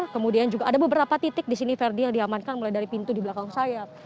kemudian juga ada beberapa titik di sini verdi yang diamankan mulai dari pintu di belakang saya